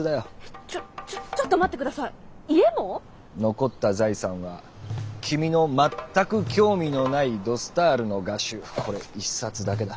残った財産は君のまったく興味のないド・スタールの画集これ一冊だけだ。